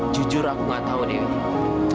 jujur aku gak tahu dirimu